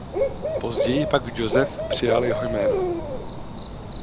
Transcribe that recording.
Později pak Joseph přijal jeho jméno.